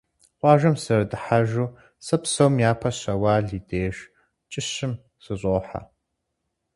Къуажэм сызэрыдыхьэжу сэ псом япэ Щэуал и деж, кӀыщым, сыщӀохьэ.